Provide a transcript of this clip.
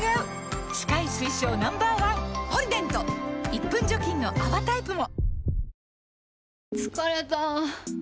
１分除菌の泡タイプも！